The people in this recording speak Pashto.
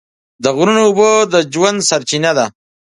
د غرونو اوبه د ژوند سرچینه ده.